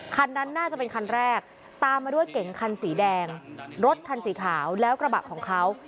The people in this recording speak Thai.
คันนั้นน่าจะเป็นคันแรกตามมาด้วยเก่งคันสีแดงรถคันสีขาวแล้วกระบะของเขา